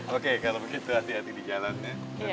oke kalo begitu hati hati di jalannya